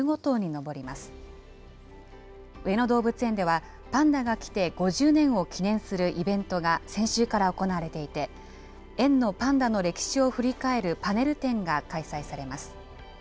上野動物園では、パンダが来て５０年を記念するイベントが先週から行われていて、園のパンダの歴史を振り返るパネル展が開催されます。